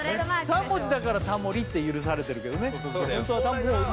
３文字だから「タモリ」って許されてるけどねホントはタモさん？